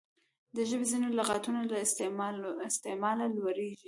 د ژبي ځیني لغاتونه له استعماله لوړیږي.